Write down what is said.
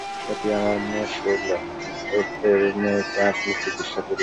এটি আমার মেয়ে শৈল, এরই মেয়েকে আপনি চিকিৎসা করিয়াছেন।